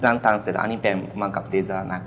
พลังทันเสร็จอันนี้เป็นมะกับดีเซอร์นะคะ